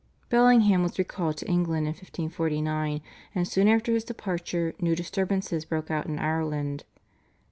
Bellingham was recalled to England in 1549, and soon after his departure new disturbances broke out in Ireland.